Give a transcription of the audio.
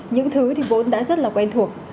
những thứ thì vốn đã rất là quen thuộc